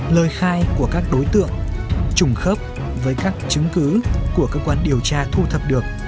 lời khai của các đối tượng trùng khớp với các chứng cứ của cơ quan điều tra thu thập được